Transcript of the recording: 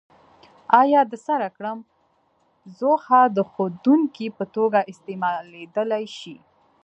آیا د سره کرم ځوښا د ښودونکي په توګه استعمالیدای شي؟